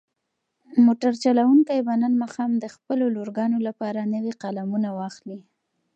موټر چلونکی به نن ماښام د خپلو لورګانو لپاره نوې قلمونه واخلي.